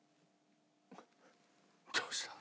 どうした？